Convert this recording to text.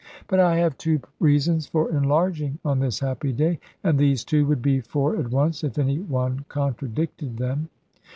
But I have two reasons for enlarging on this happy day; and these two would be four at once, if any one contradicted them.